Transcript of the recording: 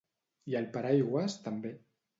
i el paraigües també